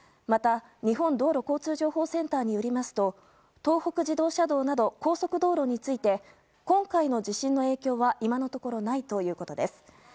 また日本道路交通情報センターによりますと、東北自動車道など高速道路について今回の地震の影響は今のところないということです。